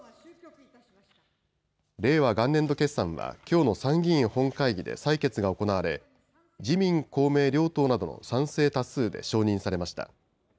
令和元年度決算は、きょうの参議院本会議で採決が行われ自民公明両党などの賛成多数で承認されました。